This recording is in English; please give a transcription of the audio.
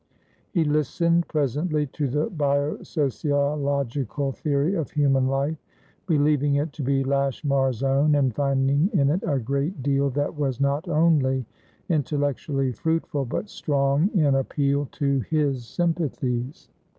He listened, presently, to the bio sociological theory of human life, believing it to be Lashmar's own, and finding in it a great deal that was not only intellectually fruitful, but strong in appeal to his sympathies.